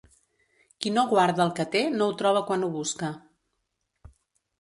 Qui no guarda el que té no ho troba quan ho busca.